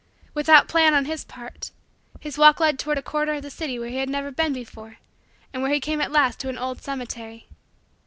Without plan on his part, his walk led toward a quarter of the city where he had never been before and where he came at last to an old cemetery.